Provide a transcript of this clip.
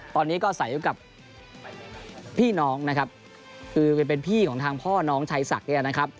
ตอนนี้ก็ใส่อยู่กับพี่น้องนะครับคือเป็นเป็นพี่ของทางพ่อน้องชัยศักดิ์เนี่ยนะครับ